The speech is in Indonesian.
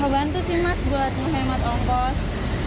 bantu sih mas buat menghemat ongkos